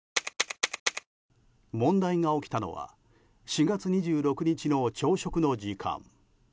問題が起きたのは４月２６日の朝食の時間。